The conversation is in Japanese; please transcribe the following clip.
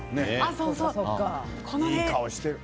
いい顔している。